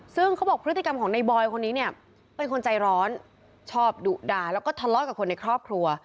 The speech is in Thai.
ซึ่งเขาบอกพฤติกรรมของในบอยคนนี้เนี่ยเป็นคนใจร้อนชอบดุด่าแล้วก็ทะเลาะกับคนในครอบครัว